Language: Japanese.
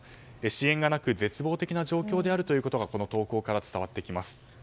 支援がなく絶望的な状況であるということがこの投稿から伝わってきます。